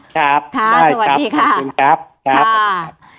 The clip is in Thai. ครับได้ครับขอบคุณครับ